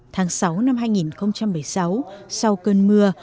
tháng sáu năm hai nghìn một mươi sáu sau cơn mưa